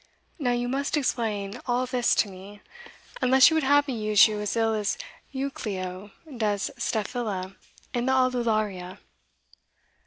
Now you must explain all this to me, unless you would have me use you as ill as Euclio does Staphyla in the Aulularia."